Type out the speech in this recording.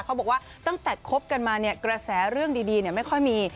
เขาบอกว่าตั้งแต่คบกันมาเนี่ยกระแสเรื่องดีไม่ค่อยมี